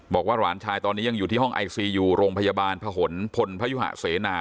บอกว่าหลานชายตอนนี้ยังอยู่ที่ห้องไอซียูโรงพยาบาลผนพลพยุหะเสนา